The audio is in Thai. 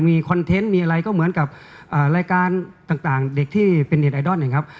มีคอนเทนต์มีอะไรก็เหมือนกับรายการต่างเด็กที่เป็นเน็ตไอดอลนะครับ